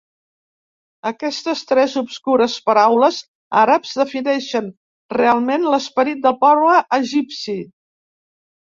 Aquestes tres obscures paraules àrabs defineixen realment l'esperit del poble egipci.